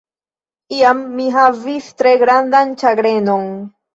Iam mi havis tre grandan ĉagrenon.